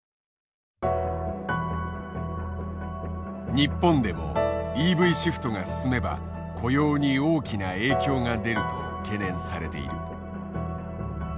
日本でもＥＶシフトが進めば雇用に大きな影響が出ると懸念されている。